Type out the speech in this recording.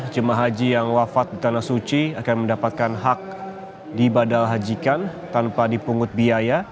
jemaah haji yang wafat di tanah suci akan mendapatkan hak dibadal hajikan tanpa dipungut biaya